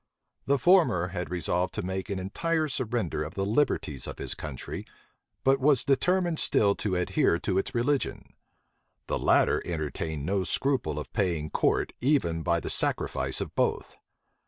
The former had resolved to make an entire surrender of the liberties of his country; but was determined still to adhere to its religion: the latter entertained no scruple of paying court even by the sacrifice of both.